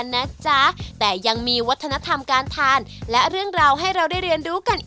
นะจ๊ะแต่ยังมีวัฒนธรรมการทานและเรื่องราวให้เราได้เรียนรู้กันอีก